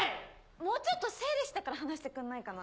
もうちょっと整理してから話してくんないかな？